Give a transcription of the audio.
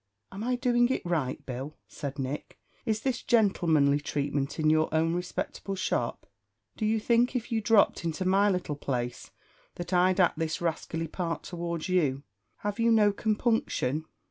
Am I doing it right?" "Bill," said Nick, "is this gentlemanly treatment in your own respectable shop? Do you think, if you dropped into my little place, that I'd act this rascally part towards you? Have you no compunction?"